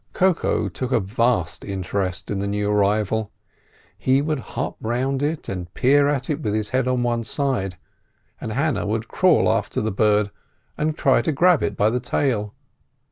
Koko took a vast interest in the new arrival. He would hop round it and peer at it with his head on one side; and Hannah would crawl after the bird and try to grab it by the tail.